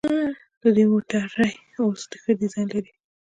د دوی موټرې اوس ښه ډیزاین لري.